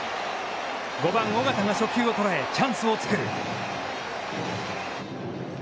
５番尾形が初球をとらえ、チャンスを作る。